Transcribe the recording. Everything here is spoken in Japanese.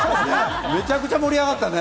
めちゃくちゃ盛り上がったね。